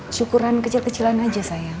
syukuran kecil kecilan aja saya